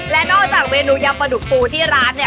และนอกจากเมนูยำปลาดุกปูที่ร้านเนี่ย